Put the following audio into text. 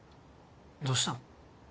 どうしたの？